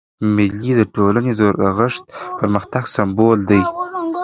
مېلې د ټولني د رغښت او پرمختګ سمبول دي.